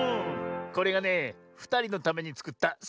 これがねふたりのためにつくったサボさん